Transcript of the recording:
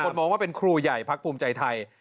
มองว่าเป็นครูใหญ่พักภูมิใจไทย